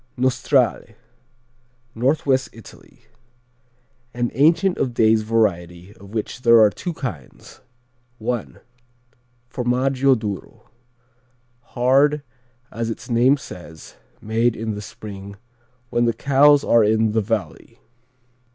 Nostrale Northwest Italy An ancient of days variety of which there are two kinds: I. Formaggio Duro: hard, as its name says, made in the spring when the cows are in the valley.